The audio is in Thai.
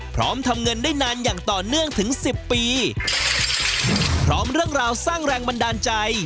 พร้อมทำเงินได้นานอย่างต่อเนื่องถึงสิบปีพร้อมเรื่องราวสร้างแรงบันดาลใจ